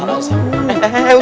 gue ngasih aja gue